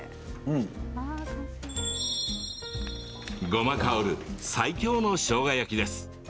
ごま香る最強のしょうが焼きです。